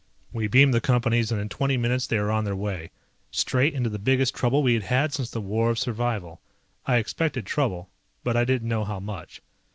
We beamed the Companies and in twenty minutes they were on their way. Straight into the biggest trouble we had had since the War of Survival. I expected trouble, but I didn't know how much.